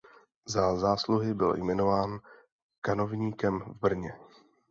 Za zásluhy byl jmenován kanovníkem v Brně.